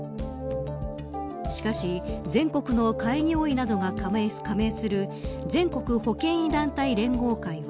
しかし、全国の開業医などが加盟する全国保険医団体連合会は。